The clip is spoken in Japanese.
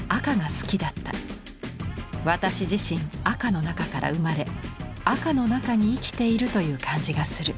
私自身赤の中から生まれ赤の中に生きているという感じがする。